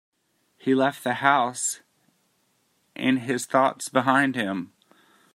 He left the house and his thoughts behind him.